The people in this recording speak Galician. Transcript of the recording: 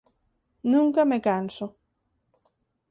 Nunca me canso.